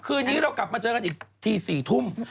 คืนนี้เรากลับมาเจอกันอีกที๔ทุ่ม